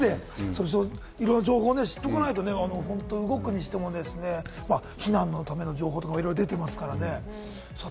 いろいろな情報を知っておかないとね、動くにしても、避難のための情報とかも、いろいろ出ていますからね。